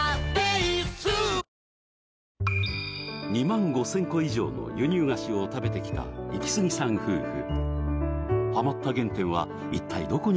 ２万５０００個以上の輸入菓子を食べてきたイキスギさん夫婦